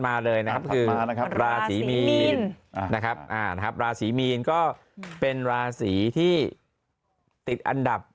มาเลยนะครับคือราศีมีนนะครับราศีมีนก็เป็นราศีที่ติดอันดับ